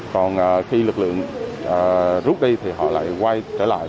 còn khi lực lượng rút đi thì họ lại quay trở lại